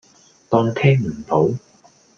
當聽唔到